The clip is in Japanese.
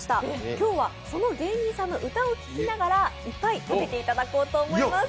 今日はその芸人さんの歌を聴きながらいっぱい食べていただこうと思います。